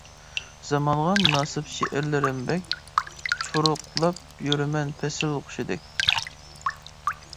زامانغا مۇناسىپ شېئىرلىرىم بەك، چۇرۇقلاپ يۈرىمەن پەسىل قۇشىدەك.